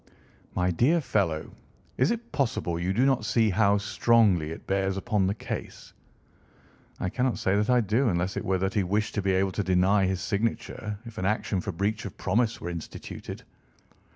"My dear fellow, is it possible you do not see how strongly it bears upon the case?" "I cannot say that I do unless it were that he wished to be able to deny his signature if an action for breach of promise were instituted."